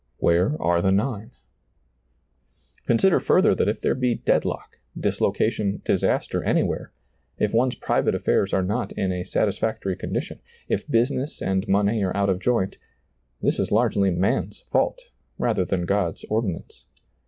" Where are the nine ?" Consider further that if there be deadlock, dis location, disaster anywhere, if one's private afTairs are not in a satisfactory condition, if business and money are out of joint, this is largely man's fault rather than God's ordinance.